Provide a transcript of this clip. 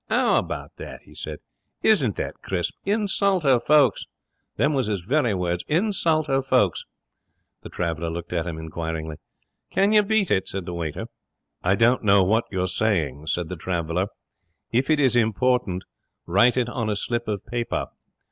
''Ow about that?' he said. 'Isn't that crisp? "Insult her folks!" Them was his very words. "Insult her folks."' The traveller looked at him inquiringly. 'Can you beat it?' said the waiter. 'I don't know what you are saying,' said the traveller. 'If it is important, write it on a slip of paper.